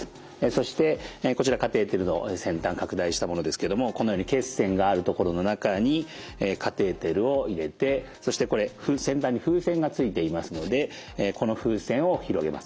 そしてこちらカテーテルの先端拡大したものですけどもこのように血栓がある所の中にカテーテルを入れてそしてこれ先端に風船がついていますのでこの風船を広げます。